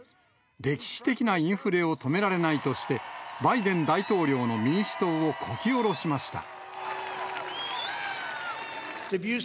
歴史的なインフレを止められないとして、バイデン大統領の民主党をこき下ろしました。